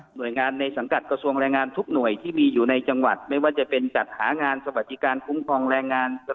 โดยงานในสังกัดกระทรวงแรงงานทุกหน่วยที่มีอยู่ในจังหวัดไม่ว่าจะเป็นจัดหางานสวัสดิการคุ้มครองแรงงาน